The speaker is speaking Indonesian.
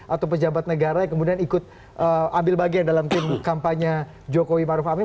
atau pejabat negara yang kemudian ikut ambil bagian dalam tim kampanye jokowi maruf amin